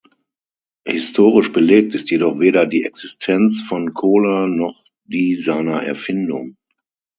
Historisch belegt ist jedoch weder die Existenz von Coler noch die seiner Erfindung.